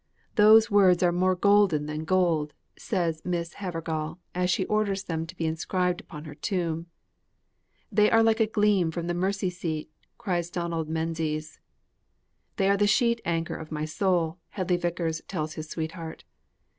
'Those words are more golden than gold!' says Miss Havergal, as she orders them to be inscribed upon her tomb. 'They are like a gleam from the Mercy seat!' cries Donald Menzies. 'They are the sheet anchor of my soul!' Hedley Vicars tells his sweetheart.